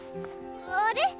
あれ？